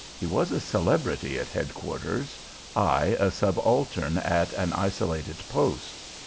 He was a celebrity at head quarters, I a subaltern at an isolated post.